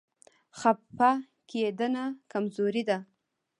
خفه کېدنه کمزوري ده.